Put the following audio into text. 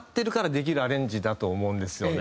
できるアレンジだと思うんですよね。